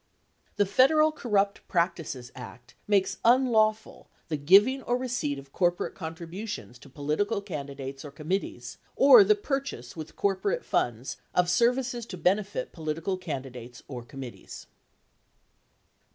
4 The Federal Corrupt Practices Act makes unlawful the giving or receipt of corporate contributions to political candidates or commit tees, or the purchase with corporate funds of services to benefit polit ical candidates or committees.